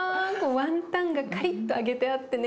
ワンタンがカリッと揚げてあってね